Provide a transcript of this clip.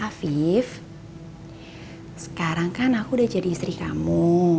afif sekarang kan aku udah jadi istri kamu